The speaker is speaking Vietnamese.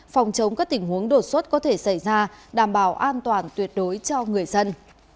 phòng chống các tình huống đột xuất có thể xảy ra đảm bảo an toàn tuyệt đối cho người dân